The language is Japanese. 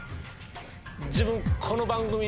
自分。